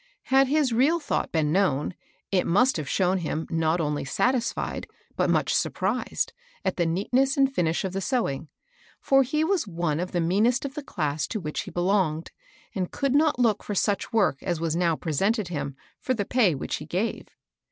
Had his real thought been known, it must have shown him not only satisfied, but much surprised, at the neatness and finish of the sewing ; for he was one of the mean est of the class to which he belonged, and could not look for such work as was now presented him for the pay which he gave.